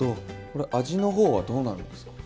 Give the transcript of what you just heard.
これ味の方はどうなるんですか？